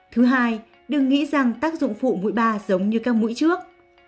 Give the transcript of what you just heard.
thứ hai đừng nghĩ rằng tác dụng phụ mũi ba giống như các mũi trước